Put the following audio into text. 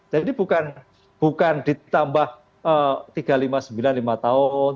jadi bukan ditambah tiga ratus lima puluh sembilan lima tahun